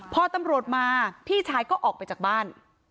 พอตำรวจมาพี่ชายก็ออกไปจากบ้าน